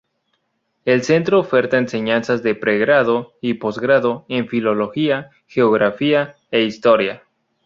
El centro oferta enseñanzas de pregrado y posgrado en filología, geografía e historia.